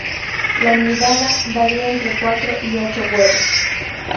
La nidada varía entre cuatro y ocho huevos.